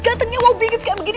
gatengnya wow bingits kayak begini